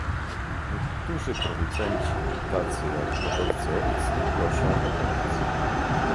Niektórzy producenci, tacy jak hodowcy owiec nie proszą o pomoc